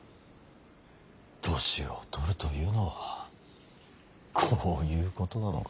年を取るというのはこういうことなのか。